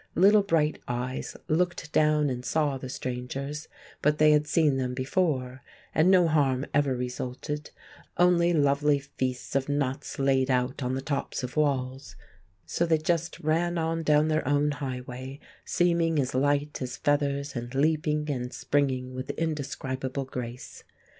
Little bright eyes looked down and saw the strangers; but they had seen them before, and no harm ever resulted—only lovely feasts of nuts laid out on the tops of walls—so they just ran on down their own highway, seeming as light as feathers, and leaping and springing with indescribable grace.